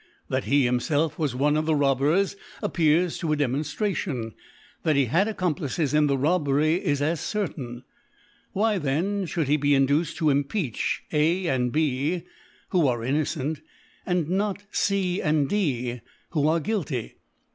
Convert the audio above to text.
That he himfelf was one of the Robbers appears to a Demonftration ; that he had Accomplices in the Robbery is as 2 certata. C '79 ) cenaiti; Why t&en fliould he be induced to impeach A and B, who are innocent, and not C and D, who are guilty